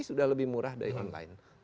sudah lebih murah dari online